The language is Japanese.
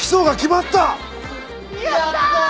やったー！